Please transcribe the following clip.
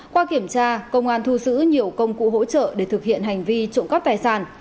qua kiểm tra công an thu giữ nhiều công cụ hỗ trợ để thực hiện hành vi trộm cắp tài sản